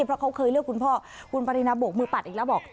เพราะเขาเคยเลือกคุณพ่อคุณปรินาโบกมือปัดอีกแล้วบอก